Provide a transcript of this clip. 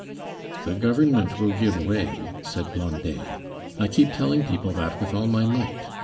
"The Government will give way," said Blondet. "I keep telling people that with all my might!